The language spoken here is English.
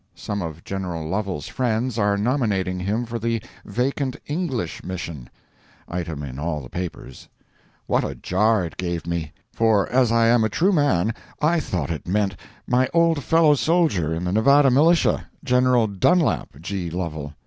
Some of General Lovel's friends are nominating him for the vacant English mission. [Item in all the papers.] What a jar it gave me! For as I am a true man, I thought it meant my old fellow soldier in the Nevada militia, General Dunlap G. Lovel.